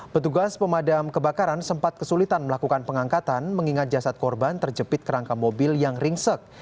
petugas pemadam kebakaran sempat kesulitan melakukan pengangkatan mengingat jasad korban terjepit kerangka mobil yang ringsek